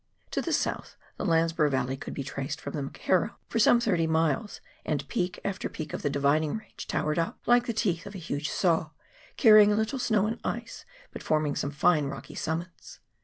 To the south, the Landsborough Valley could be traced from the McKerrow for some thirty miles, and peak after peak of the Dividing Pange towered up, like the teeth of a huge saw, carrying little snow and ice, but forming some fine rocky summits.